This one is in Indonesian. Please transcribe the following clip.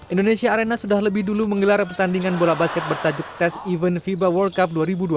indonesia arena sudah lebih dulu menggelar pertandingan bola basket bertajuk test event fiba world cup dua ribu dua puluh tiga